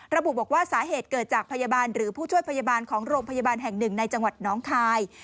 ระบุบอกว่าสาเหตุเกิดจากพยาบาลหรือผู้ช่วยพยาบาลของโรงพยาบาลแห่งหนึ่งในจังหวัดน้องคาย